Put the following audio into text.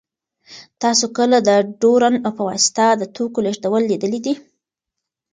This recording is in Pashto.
تاسو کله د ډرون په واسطه د توکو لېږدول لیدلي دي؟